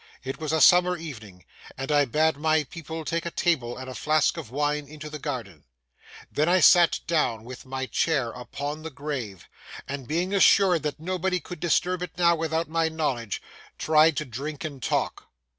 It was a summer evening, and I bade my people take a table and a flask of wine into the garden. Then I sat down with my chair upon the grave, and being assured that nobody could disturb it now without my knowledge, tried to drink and talk.